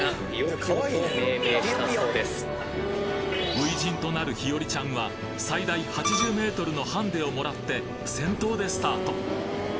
初陣となる日和ちゃんは最大８０メートルのハンデをもらって先頭でスタート